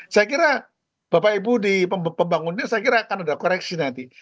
saya kira bapak ibu di pembangunan saya kira akan ada koreksi nanti